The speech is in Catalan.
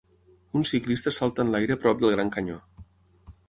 Un ciclista salta en l'aire prop del Gran Canyó.